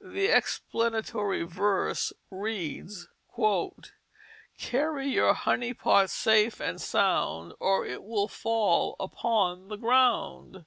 The explanatory verse reads: "Carry your Honey pot safe and sound Or it will fall upon the Ground."